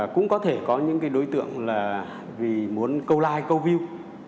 cũng có thể có những cái đối tượng là vì muốn câu like câu view